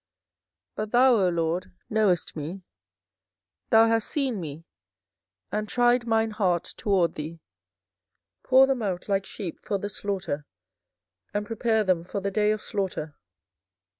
24:012:003 But thou, O LORD, knowest me: thou hast seen me, and tried mine heart toward thee: pull them out like sheep for the slaughter, and prepare them for the day of slaughter.